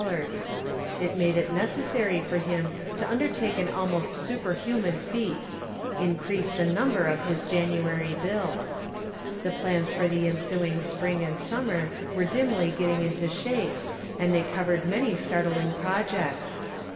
It made it necessary for him to undertake an almost superhuman feat increase the number of his January bills. The plans for the ensuing spring and summer were dimly getting into shape and they covered many startling projects.